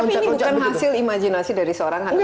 tapi ini bukan hasil imajinasi dari seorang kart ini